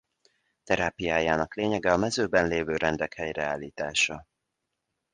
Terápiájának lényege a mezőben lévő rendek helyreállítása.